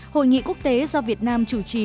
hội nghị quốc tế do việt nam chủ trì